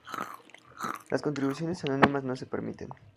Las contribuciones anónimas no se permiten.